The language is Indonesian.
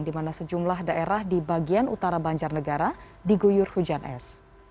di mana sejumlah daerah di bagian utara banjarnegara diguyur hujan es